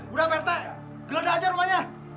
udah merta geledah aja rumahnya